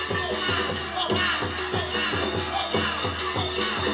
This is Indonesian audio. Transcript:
kegelisahan akan miskinnya penerus tradisi terus dilawan